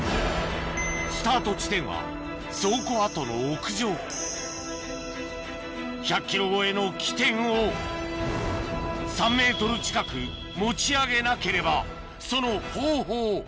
スタート地点は倉庫跡の屋上１００ｋｇ超えの起点を３ｍ近く持ち上げなければその方法